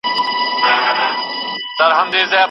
بریالي کسان به د نورو تېروتني بخښي.